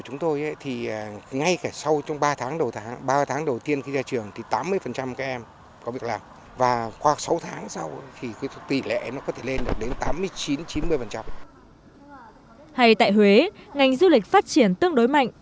ngành du lịch phát triển tương đối mạnh